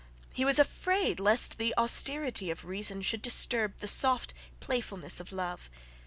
He was afraid lest the austerity of reason should disturb the soft playfulness of love.